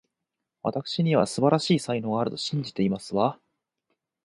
わたくしには、素晴らしい才能があると信じていますわ